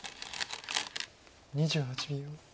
２８秒。